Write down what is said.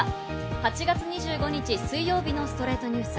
８月２５日、水曜日の『ストレイトニュース』。